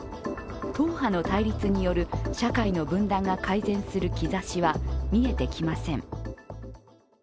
党派の対立による社会の分断が改善する兆しは見えてきません。